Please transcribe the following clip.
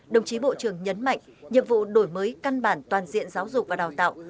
đồng chí bộ trưởng nhấn mạnh nhiệm vụ đổi mới căn bản toàn diện giáo dục và đào tạo